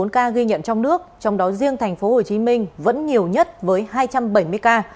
năm trăm một mươi bốn ca ghi nhận trong nước trong đó riêng tp hcm vẫn nhiều nhất với hai trăm bảy mươi ca